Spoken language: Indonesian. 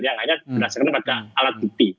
yang hanya berdasarkan pada alat bukti